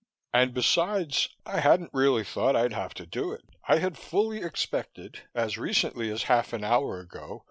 And besides, I hadn't really thought I'd have to do it. I had fully expected as recently as half an hour ago!